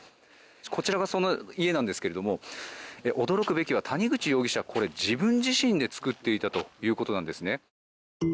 こちらがその家なんですけれども驚くべきは谷口容疑者、自分自身で造っていたということです。